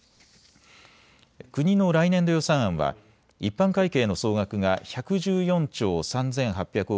国の来年度予算案は一般会計の総額が１１４兆３８００億